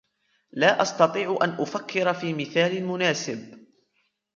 لا أستطيع أن أفكر في مثال مناسب.